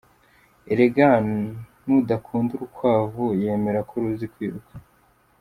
Erega nudakunda urukwavu yemera ko ruzi kwiruka.